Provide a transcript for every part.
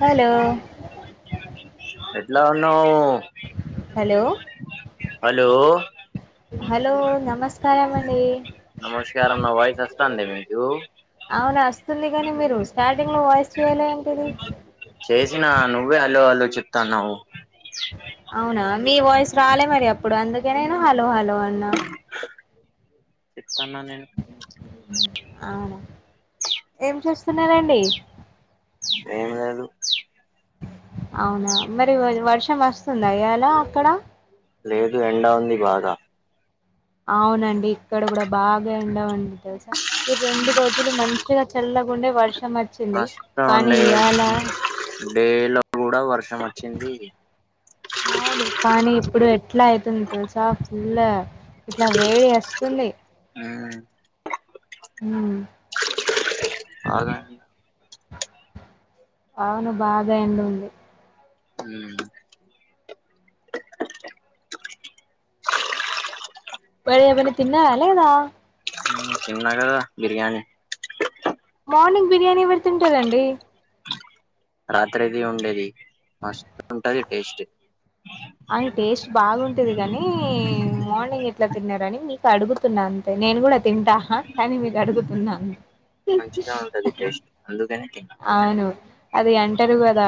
Hello ఎలా ఉన్నావు hello hello hello నమస్తే నమస్కారం నా వాయిస్ వస్తా అండి మీకు అవునా వస్తుంది కానీ మీరు స్టార్టింగ్ లో వాయిస్ చేయాలి ఏంటిది చేసినా నువ్వే హలో హలో చెప్తాన్నావ్వు అవునా మీ వాయిస్ రాలే మరి అప్పుడు అందుకే నేను హలో హలో అన్నా చెప్తాన్నా నేను అవును ఏం చేస్తున్నారండి ఎం లేదు అవునా మరి వర్షం వస్తుంద ఇయాలా అక్కడ లేదు ఎండా ఉంది బాగా అవునండి ఇక్కడ కూడా బాగా ఎండ ఉంది తెలుసా ఈ రెండు రోజులు మంచిగా చల్ల లాండే వర్షం వచ్చింది మస్తు కానీ ఉండే ఇలా డే లో కూడా వచ్చింది అవును కానీ ఇప్పుడు ఎట్లా అవుతుంది తెలుసా ఫుల్లా ఇట్లా వేడి అస్తుంది. ఉమ్ ఆగ అవును బాగా ఎడుంది. హ అఓ మరి ఏమన్న తిన్నారా లేదా? తిన్నా కదా బిర్యానీ మార్నింగ్ బిర్యానీ ఎవర్ తింటరండి. రాత్రిది ఉండేది మస్తుంటది టేస్ట్ అవున్ టేస్ట్ బాగుంటది గనీ మార్నింగ్ ఎట్ల తిన్నరని మీక్ అడుగుతున్నా అంతే నేను గుడా తింటా కానీ మీకు అడుగుతున్నా మంచిగా ఉంటది టేస్ట్ అందుకనే అవును అది అంటరు గదా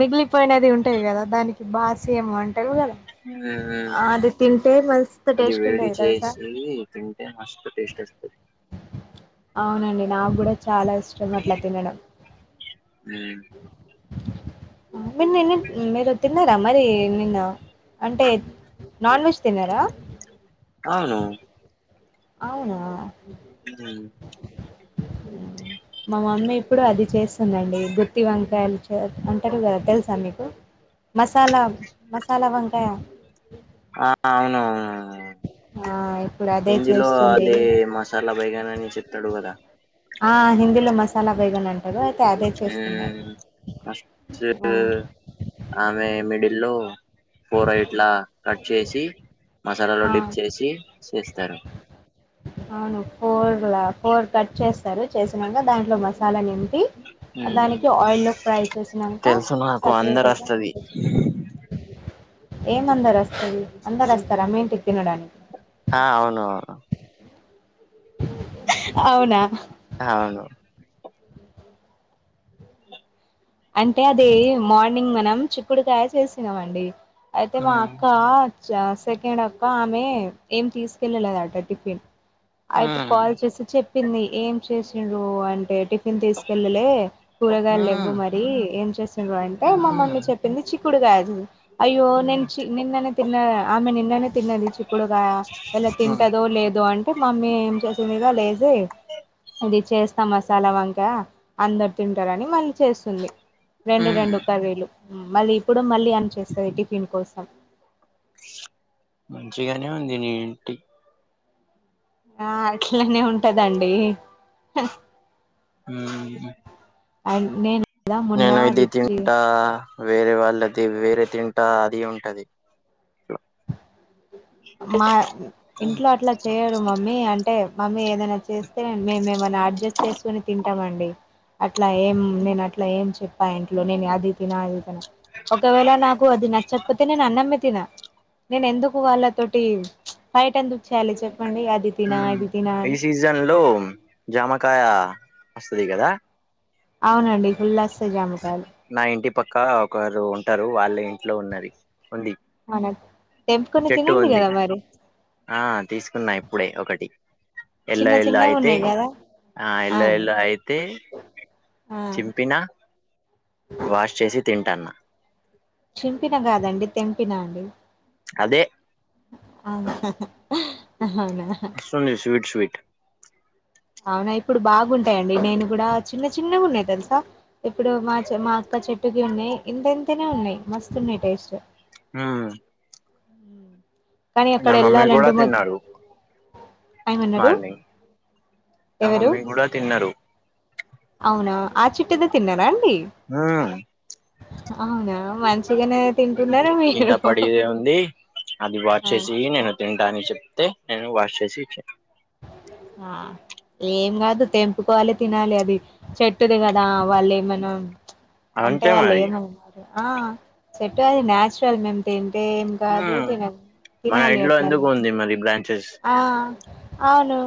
మిగిలిపోయినది ఉంటయి కదా దానికి బాస ఏమో అంటరు గదా మ్ అది టేస్ట్ వేడి ఉంటది తెలుసా చేసి తింటే మస్త్ టేస్ట్ వస్తది. అవునండి నాక్ గుడా చాలా ఇష్టం అట్ల తినడం. మ్ మీర్ నిన్న మీరు తిన్నారా మరి నిన్న అంటే నాన్ వెజ్ తిన్నరా అవును అవునా మ్ హ్ హ్మ్. మా మమ్మీ ఇప్పుడు అది చేస్తుందండి గుత్తి వంకాయలు అంటరు గదా తెల్సా మీకు మసాలా మసాలా వంకాయ ఆ అవునూ ఆ! ఇప్పుడు అదే హిందీ లో చేస్తుంది. అదే మసాలా బైగన్ అని చెప్తడు గదా ఆ హిందలో మసాలా బైగన్ అంటరు అ మ్ ఆ! [inaudible] ఆమె మిడిల్లో ఫోర ఇట్లా కట్ చేసి మసాలలో డిప్ ఆ! చేసి చేస్తరు. అవును ఫోర్లా ఫోర్ కట్ చేస్తరు చేసినంక దాంట్లో మసాలా నిం పి మ్మ్. దానికి ఆయిల్ ఫ్రై చేసినంక తెలుసు నాకు అందరు సపరేట్గా వస్తది ఏమందర్ అస్తది అందర్ అస్తరు మీ ఇంటిక్ తినడానిక్ ఆ అవును అవునా అవును అంటే అదే మార్నింగ్ మనం చిక్కుడుకాయ చేసినాం అండి అయితే మా మ్మ్. అక్కా చ సెకండ్ అక్క ఆమె ఏం తీస్కెళ్ళలేదట టిఫిన్ అయితే మ్మ్. కాల్ చేసి చెప్పింది ఏం చేసిన్రు అంటే టిఫ్ ఫిన్ తీస్కెళ్ళలే కూరగాయల్ లెవ్వు మ్మ్. మరీ ఏం చేసింరు అంటే మా మ్మ్. మమ్మ చెప్పింది చి చిక్కుడుకాయ అయ్యో నేన్ చి నిన్ననే తిన్నా ఆమె నిన్ననే తిన్నది చిక్కుడుకాయ ఇయల మ్మ్. తింటదో లేదో అంటే మమ్మీ ఏం చేసింది ఇగ లేసి ఇది చేస్త మసాల వంక అందరు తింటారని మళ్ళీ చేస్ రెండు మ్మ్. రెండు కర్రీలు మళ్ళీ ఇప్పుడు మళ్ళీ అని చేస్తది టిఫిన్ కోసం మంచిగనే ఉంది నీ ఇంటి ఆ అట్లనే ఉంటదండి హ్ హుమ్మ్ నేను కదా మొన్న నేను ఇది అది తింటా వేరే వాళ్ళది వేరే తింటా అది ఉంటది. మా ఇంట్లో అట్ల చేయరు మ మ్మీ అంటె మమ్మీ ఏదైన చేస్తే మేము ఏమైన అడ్జస్ట్ చేసుకుని తింటామ అండి డి. అట్ల ఏం నేను అట్ల ఏం చెప్ప ఇంట్లో నేను అది తిన ఇది తిన ఒకవేళ నాకు అది నచ్చక పోతె నేను అన్నమే తిన నేను ఎందుకు వాళ్ళతోటి ఫైట్ ఎందుకు చేయాలి చెప్ హుమ్ ఈ సీజన్ లో జామకాయ వస్తుది కద అవునండి ఫుల్ అస్తై జామ నా ఇంటి పక్క ఒకరు ఉంటరు వాళ్ళ ఇంట్లో ఉన్నది ఉంది మ చెట్టు ఉంది ఆ తీసుకున్న ఇప్పుడే ఒకటి ఎల్ల చిన్న ఎల్ల చిన్నగా అయితే ఉన్నాయి కదా ఆ ఎల్లో అవును ఎల్లో అయితే ఆ చింపిన వాష్ చేసి తింటాన్న చింపిన కాదండి తెంపిన అండి అదే అవున మస్తుంది స్వీట్ స్వీట్ అవున ఇప్పుడు బాగుంటయండి నేను కూడా చిన్న చిన్న గున్నయి తెలుసా ఇప్పుడు మా చె మా అక్క చెట్టుకి ఉన్నయి ఇంతెంతనే ఉన్నయి మస్తున్నయి టేస్ట్ ఊమ్ కాని అక్కడ కూడా ఎల్లాలంటె మోత్ తిన్నారు ఏమన్నడు మార్నింగ్ నా ఎవరు మమ్మీ కూడా తిన్నారు అవునా ఆ చెట్టుదె తిన్నార ఆ అవునా మంచిగానే తింటున్నారు కింద మీరు పడి ఉంది అది వా ఆ చేసి నేను తింట అని చెప్తే నేను వాష్ చేసి ఇచ్చ ఆ ఏం కాదు తెంపుకోవాలి తినాలి అది చెట్టుది కదా వాళ్ళే మనం అంటె అంతే వాళ్ళు మరి ఏమన్నారు ఆ చెట్టు అది నాచురల్ మేము తింట్ అంటే ఏం కాదు మ్మ్ తినాలి మన తినాలి ఇంట్లో అట్ల ఎందుకు మీరు ఉంది మరి బ్రాంచెస్ ఆ అవును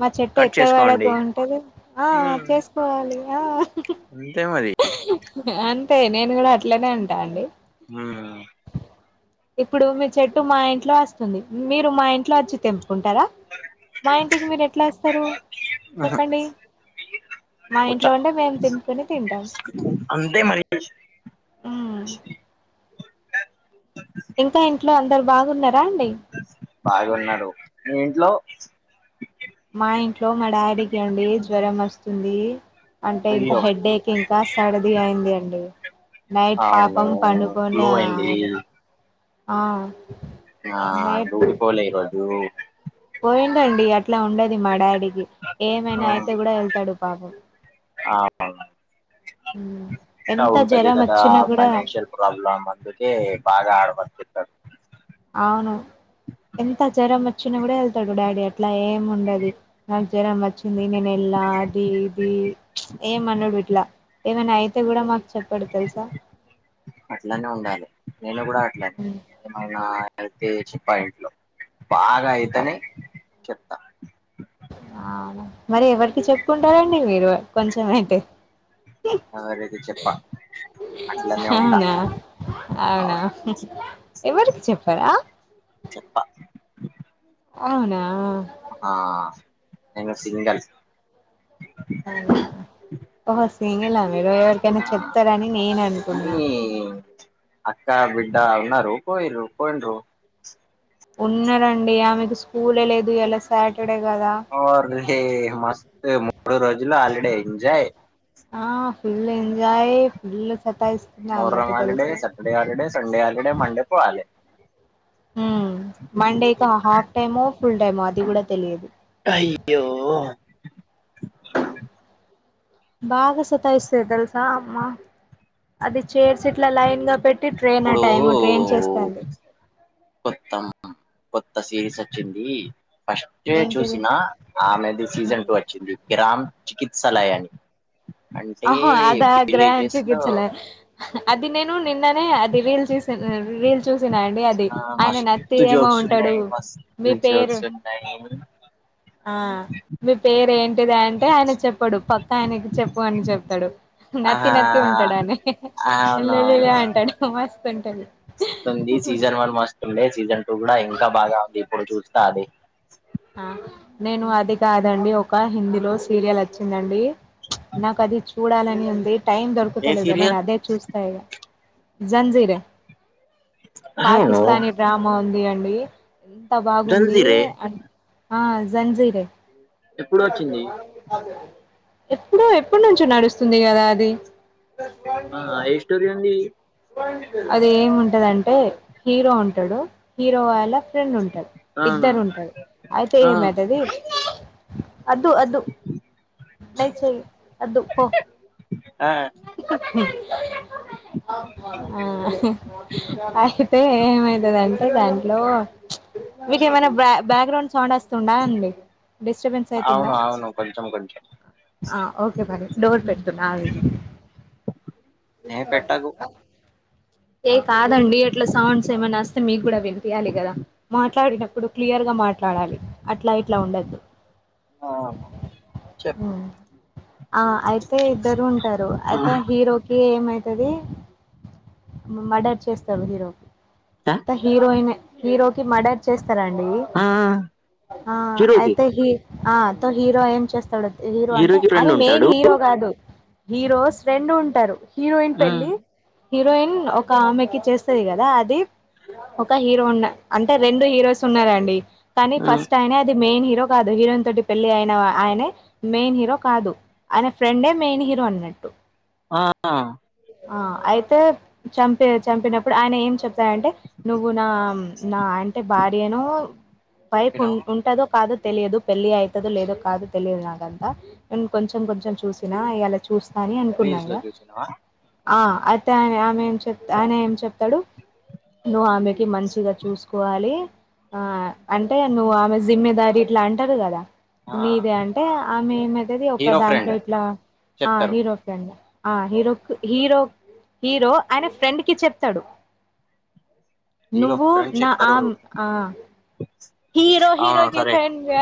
మా చెట్టు కట్ ఎక్కడ వాడక చేసుకోండి ఉంటది ఆ ఉమ్, చేసుకోవాలి ఆ అంతే మరి అంతే నేను కూడా అట్లనే అంట అండి ఇప్పుడు మీ చెట్టు మా ఇంట్లో అస్తుంది మీరు మా ఇంట్లో అచ్చి తెంప్ కుంటర మా ఇంటికి మీరు ఎట్ల అస్తరు చెప్పండి మా ముచ్చ ఇంట్లో ఉంటె మేము తెంపుకొని తింటాం అంతే మరి మ్మ్. ఇంక ఇంట్లో అందరు బాగున్నార బాగున్నరు మీ ఇంట్లో మా ఇంట్లో మా డాడీకే అండి జ్వరం వస్తుంది. అంటే ఇంకా అయ్యో హెడేక్ ఇంకా సర్ది అయింది అండి నైట్ అవును పాపం పడుకోన్లే ఫ్లూ అయింది ఆయేనె ఆ ఆ నైట్ డ్యూటి పోలే ఈ రోజు పోయిండండి అట్లా ఉండది మా డాడీకి ఏమైన అయితే గుడా వెళ్తడు పాపం ఆ ఇంక ఎంత ఉంటది జ్వరం కదా వచ్చినా కూడా ఫైనాన్షియల్ ప్రాబ్లమ్ అందుకే బాగా హార్డ్ వర్క్ చేస్తడ్ అవును ఎంత జ్వరం వచ్చిన గుడా ఎళ్తడు డాడీ అట్లా ఏం ఉండది నాకు జ్వరం వచ్చింది నేను ఎల్ ల్లా అది ఇది ఏమనడు ఇట్ల ఏమైనా అయితే గుడా మాక్ చెప్పడు తెల్సా అట్లనే ఉండాలి నేను గుడా అట్లనే ఏమైనా అయితే చెప్ప ఇంట్లో బాగా అయితేనే చెప్త. మరి ఎవర్కి చెప్పుకుంటారండి మీరు కొంచం అయితే [inaudible] చెప్పా అట్లానే ఉంటా అవునా అవునా అవును ఎవర్కి చెప్పరా? చెప్ప. అవునా ఆ నేను సింగల్ ఓహో సింగిల మరో ఎవరికైనా ఆ చెప్తరని నేన్ అనుకున్నా అక్కా, బిడ్డ ఉన్నరు పోయింలు పోయిన్రు ఉన్నారండి ఆమెకు స్కూలె లేద్ ఓరి నీ మస్త్ మూడు రోజులు హాలీడే ఎంజాయ్ ఆ ఫుల్ ఎంజాయ్ ఫుల్ సతాయిస్తుంది ఆమె మొహరం అయితే హాలిడే, తెలుసా Saturday holiday, Sunday holiday, Monday పోవాలె హ్ మండేక్ హాఫ్ టైమో, ఫుల్ టైమో అది కూడా తెలియదు. అయ్యో బాగా సతాఇస్తది తెల్సా అమ్మా అది చేర్స్ ఇట్లా లైన్గా పెట్టి ట్రైన్ ఇప్పుడు అట ఏమో ట్రైన్ చేస్తాంది. కొత్త కొత్త సిరీస్ అచ్చింది. ఫస్టే ఏంటిది చూసిన ఆమెది సీజన్ టూ వచ్చింది కిరామ్ చికిిత్సలయాన్ ఆహో అదా లో గ్రహంచికిసలే అది నేను నిన్ననే అది రీల్ చేసాను రీల్ చూసినా అండి అది ఆ ఆయన నత్తి మస్తు ఏమో జోక్స్ ఉంటడు ఉన్నాయి మీ మస్తు పేరు జోక్స్ ఉన్నాయి మీ పేర్ ఏన్ టిదీ అంటే ఆయన చెప్పడు పక్క ఆయనకి చెప్పు అని చెప్తడు. నత్తి నత్తి ఉంటడు ఆనే అ అవున అవునవున్ ఉంటది మస్తుంది సీజన్ వన్ మస్తుండే సీజన్ టూ గుడా ఇంకా బాగా ఉంది ఇప్పుడు చూస్తా అది ఆ నేను అది కాదండి ఒక హిందీలో సీరియల్ అచ్చిందండి. నాక్ అది చూడాలని ఉంది టైం ఏ దొరకుతలేదు నేను సీరియల్ అదే చూస్తా ఇగ జంజీరే అవును పాకిస్తానీ డ్రామా ఉంది అండి. ఎంత బాగుంది రంజీరే అం ఆ జంజీరే ఎప్పుడు వచ్చింది ఎప్పుడో ఎప్పుడ్నుంచో నడుస్తుంది గదా అది [inaudible] ఆ ఏ స్టోరీ ఉంది అది ఏముంటదంటే హీరో ఉంటాడు హీరో వాళ్ళ ఫ్రెండ్ ఉంటారు అవును ఇద్దరు ఉంటారు అయితే ఆ ఏమయితది అద్దు అద్దు నయిచెయి అదు పో ఆ ఆ అయితే ఏమయితదంటే దాన్ని హలో మీకేమైనా బ బ్యాక్గ్రౌండ్ సౌండ్ వస్తుందా అండి డిస్టర్బెన్స్ అయితుందా అవును అవును కొంచెం కొంచెం ఆ ఓకే బని డోర్ పెట్తున్నా ఆగండి ఏ పెట్టకు ఏ కాదండి అట్లా సౌండ్స్ ఏమైనా వస్తే మీకు కూడా వినిపియాలి కదా మాట్లాడినప్పు ఇప్పుడు క్లియర్గా మాట్లాడాలి అట్లా ఇట్లా ఉండద్దు ఆ చెప్ హ్మ్. ఆ అయితే ఇద్దరు ఉంటారు ఆ అయితే హీరోకి ఏమైతది మర్డర్ చేస్తారు హీరోకి హీరోయిన్ హీరోకి మర్డర్ చేస్త ండి ఆ, హీరోకి అయితే హ హీరో ఏం చేస్తాడు హీరో అంటే హీరోకి ఫ్రెండ్ అరే మెయిన్ ఉంటాడు హీరో కాదు హీరోస్ రెండు ఉంటారు హీరోయిన్ ఉమ్, పెళ్లి హీరోయిన్ ఒక ఆమెకి చేస్తది కదా అది ఒక హీరో ఉన్న అంటే రెండు హీరోస్ ఉన్నారండి కానీ ఉమ్, ఫస్ట్ అయినే అది మెయిన్ హీరో హీరో కాదు హీరోయిన్ తోటి పెళ్లి అయిన ఆయనే మెయిన్ హీరో కాదు ఆయన ఫ్రెండే మెయిన్ హీరో అన్నట్టు ఆ ఆ అయితే చంపి చంపినప్పుడు ఆయన ఏం చెప్తారంటే నువ్వు నా నా అంటే భార్యనో వైఫు చంపినావు ఉంటదో కాదో తెలియదు పెళ్లి అయితదో లేదో కాదు తెలిదు నాకంతా నేను కొంచెం కొంచెం చూసినా ఇలా చూస్త అని రీల్స్ లో అనుకున్నాగా చూసినావా ఆ అయిన అయితే ఆమె చెప్ ఆయన ఏం చెప్పాడు నువ్వు ఆమెకి మంచిగా చూసుకోవాలి ఆ అంటే నువ్వు ఆమె జిమ్మేదారి ఇట్లా అంటారు కదా ఆ, నీదే అంటే ఆమె ఏమయితది ఒక హీరో దాంట్లో ఫ్రెండ్ ఇట్లా ఆ చెప్తారు హీరో ఫ్రెండ్ ఆ హీరోకి హీరో హీరో ఆయన ఫ్రెండ్కి చెప్తడు హీరో నువ్వు ఫ్రెండ్ నా చెప్తారు ఆమ్ ఆ హీరో అవును హీరోకి సరే ఫెన్ గ